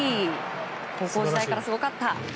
高校時代からすごかった。